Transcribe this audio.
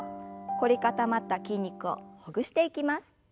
凝り固まった筋肉をほぐしていきます。